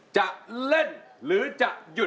จะเล่นหรือจะหยุด